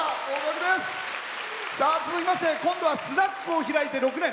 続きまして今度はスナックを開いて６年。